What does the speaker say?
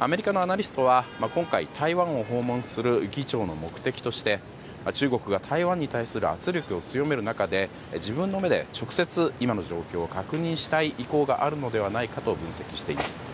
アメリカのアナリストは今回、台湾を訪問する議長の目的として中国が台湾に対する圧力を強める中で自分の目で直接今の状況を確認したい意向があるのではないかと分析しています。